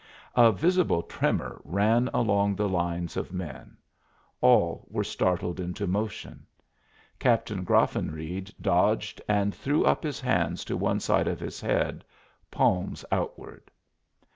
A visible tremor ran along the lines of men; all were startled into motion. Captain Graffenreid dodged and threw up his hands to one side of his head, palms outward.